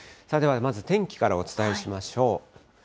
ではまず天気からお伝えしましょう。